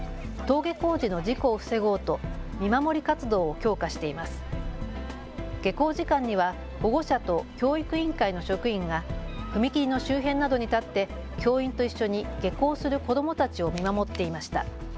下校時間には保護者と教育委員会の職員が踏切の周辺などに立って教員と一緒に下校する子どもたちを見守っていました。